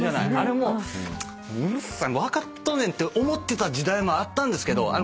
あれもうるさい分かっとんねんって思ってた時代もあったんですけど。